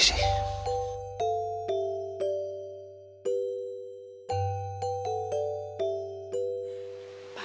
papi selamat suti